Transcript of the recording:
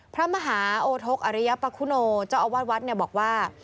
พระมหาโอทกอริยปคุโนเจ้าอาวาสวัดบอกว่า